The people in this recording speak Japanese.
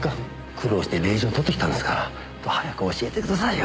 苦労して令状取ってきたんですから早く教えてくださいよ。